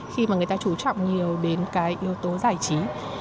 khi mà người ta chú trọng nhiều đến cái yếu tố giải trí